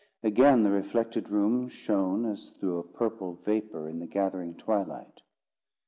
Again the reflected room shone as through a purple vapour in the gathering twilight.